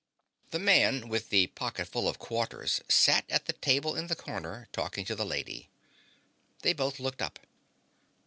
The Man with the Pocketful of Quarters sat at the table in the corner, talking to the Lady. They both looked up.